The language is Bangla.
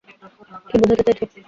কি বোঝাতে চাইছ?